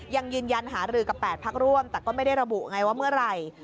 ยังยืนยันหารือกับ๘พักร่วมแต่ก็ไม่ได้ระบุไงว่าเมื่อไหร่